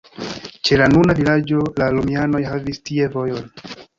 Ĉe la nuna vilaĝo la romianoj havis tie vojon.